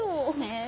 え？